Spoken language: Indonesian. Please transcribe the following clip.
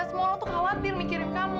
semua orang tuh khawatir mikirin kamu